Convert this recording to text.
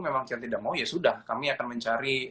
memang kita tidak mau ya sudah kami akan mencari